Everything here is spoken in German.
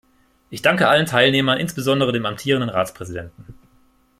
Ich danke allen Teilnehmern, insbesondere dem amtierenden Ratspräsidenten.